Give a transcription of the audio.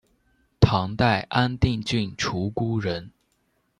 唐代安定郡鹑觚人。